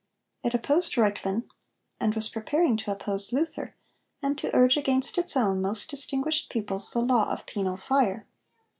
It opposed Reuchlin, and was preparing to oppose Luther, and to urge against its own most distinguished pupils the law of penal fire.